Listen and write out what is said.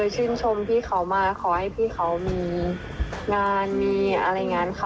ชื่นชมพี่เขามาขอให้พี่เขามีงานอะไรงั้นเขามีเยอะอย่างนี้ค่ะ